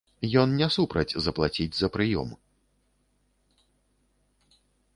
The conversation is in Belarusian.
Ён не супраць заплаціць за прыём.